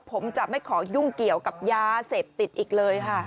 ผมจะไม่ขอยุ่งเกี่ยวกับยาเสพติดอีกเลยค่ะ